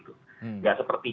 tidak seperti kita